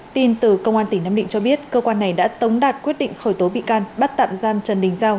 tin từ công an tỉnh nam định cho biết cơ quan này đã tống đạt quyết định khởi tố bị can bắt tạm giam trần đình giao